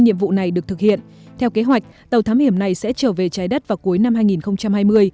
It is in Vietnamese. nhiệm vụ này được thực hiện theo kế hoạch tàu thám hiểm này sẽ trở về trái đất vào cuối năm hai nghìn hai mươi